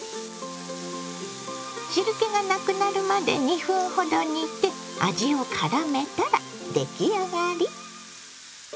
汁けがなくなるまで２分ほど煮て味をからめたら出来上がり。